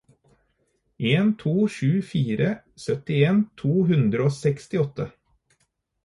en to sju fire syttien to hundre og sekstiåtte